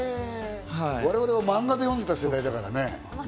我々はマンガで読んでた世代だからね。